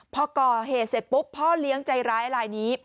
พอก่อเหตุเสร็จปุ๊บพ่อเลี้ยงใจร้ายลายนี้